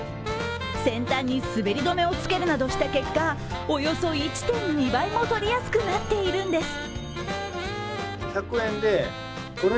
先端に滑り止めをつけるなどした結果、およそ１．２倍も取りやすくなっているんです。